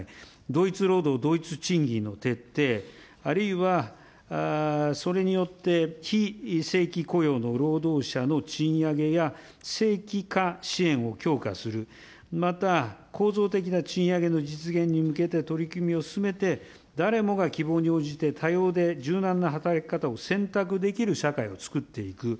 同一労働同一賃金の徹底、あるいはそれによって非正規雇用の労働者の賃上げや、正規化支援を強化する、また、構造的な賃上げの実現に向けて取り組みを進めて、誰もが希望に応じて多様で柔軟な働き方を選択できる社会をつくっていく。